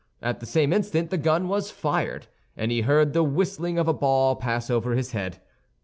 At the same instant the gun was fired, and he heard the whistling of a ball pass over his head.